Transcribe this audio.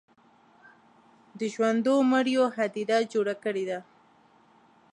د ژوندو مړیو هدیره جوړه کړې ده.